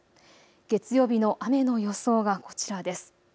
月曜日の雨の予想がこちらです。